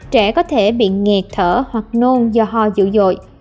trẻ có thể bị nghẹt thở hoặc nôn do ho dữ dội